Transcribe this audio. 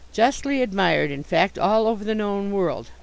Justly admired, in fact, all over the known world.